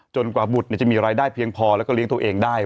กว่าบุตรจะมีรายได้เพียงพอแล้วก็เลี้ยงตัวเองได้